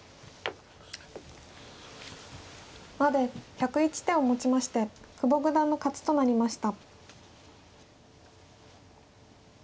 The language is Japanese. まで１０１手をもちまして久保九段の勝ちとなりました。